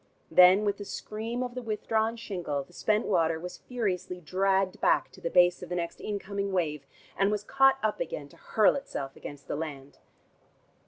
Then with the scream of the withdrawn shingle the spent water was furiously dragged back to the base of the next incoming wave, and was caught up again to hurl itself against the land.